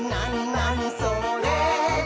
なにそれ？」